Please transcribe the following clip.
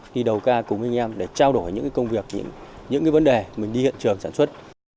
đi đầu ca cùng với anh em để trao đổi những công việc những vấn đề mình đi hiện trường sản xuất